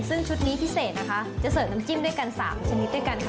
ซึ่งชุดนี้พิเศษนะคะจะเสิร์ฟน้ำจิ้มด้วยกัน๓ชนิดด้วยกันค่ะ